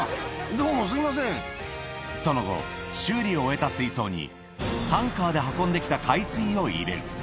どうもすみまその後、修理を終えた水槽に、タンカーで運んできた海水を入れる。